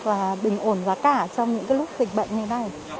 và bình ổn giá cả trong những lúc dịch bệnh như thế này